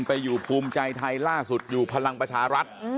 ไปอยู่ภูมิใจไทยล่าสุดอยู่พลังประชารัฐ